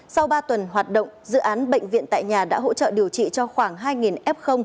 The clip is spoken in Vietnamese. sau ba tuần hoạt động dự án bệnh viện tại nhà đã hỗ trợ điều trị cho khoảng hai f